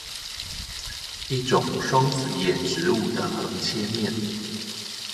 一種雙子葉植物的橫切面